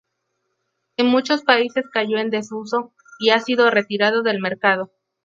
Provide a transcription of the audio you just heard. En muchos países cayó en desuso y ha sido retirado del mercado.